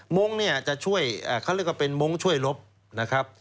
งงเนี่ยจะช่วยเขาเรียกว่าเป็นมงค์ช่วยลบนะครับ